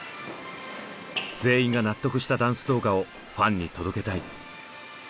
全員が納得したダンス動画をファンに届けたい。